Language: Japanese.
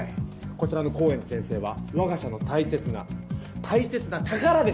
こちらの高円寺先生は我が社の大切な大切な宝です。